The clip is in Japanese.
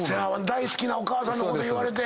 大好きなお母さんのこと言われて。